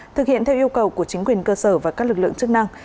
thực hiện theo yêu cầu của chính quyền cơ sở và các lực lượng chức năng